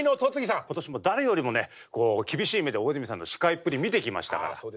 今年も誰よりもね厳しい目で大泉さんの司会っぷり見てきましたから。